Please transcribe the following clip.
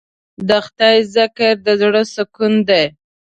د خدای ذکر د زړه سکون دی.